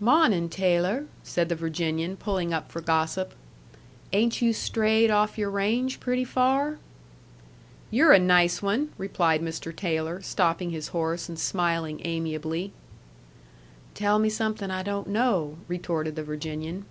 "Mawnin', Taylor," said the Virginian, pulling up for gossip. "Ain't you strayed off your range pretty far?" "You're a nice one!" replied Mr. Taylor, stopping his horse and smiling amiably. "Tell me something I don't know," retorted the Virginian.